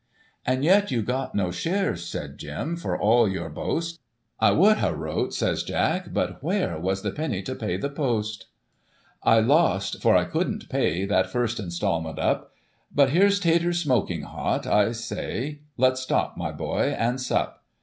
"'And yet you got no shares,' says Jim, 'for all your boast ';* I would have wrote,' says Jack, * but where Was the penny to pay the post }'"* I lost, for I couldn't pay That first instalment up ; But, here's taters smoking hot, I say Let's stop, my boy, and sup.'